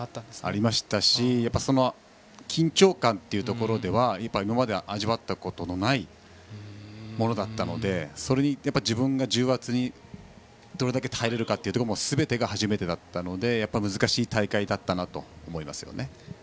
ありましたし、緊張感では今まで味わったことのないものだったので自分が重圧にどれだけ耐えられるかもすべてが初めてだったので難しい大会だったと思いますね。